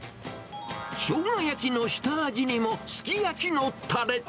しょうが焼きの下味にもすき焼きのたれ。